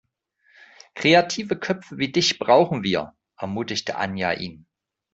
Kreative Köpfe wie dich brauchen wir, ermutigte Anja ihn.